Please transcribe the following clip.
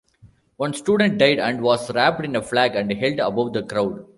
One student died and was wrapped in a flag and held above the crowd.